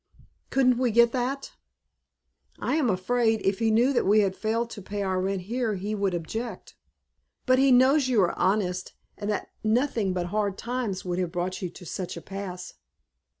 "Couldn't we get that?" "I am afraid, if he knew that we had failed to pay our rent here, he would object." "But he knows you are honest, and that nothing but the hard times would have brought you to such a pass."